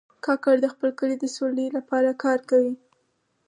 کاکړ د خپل کلي د سولې لپاره کار کوي.